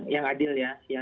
yang adil ya yang